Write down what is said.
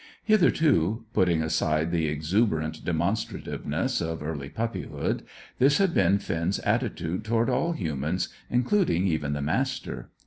Hitherto, putting aside the exuberant demonstrativeness of early puppyhood, this had been Finn's attitude toward all humans, including even the Master.